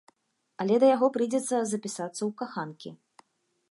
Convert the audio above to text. Але да яго прыйдзецца запісацца ў каханкі.